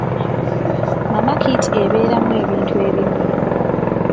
Mama kit ebeeramu ebintu ebimu.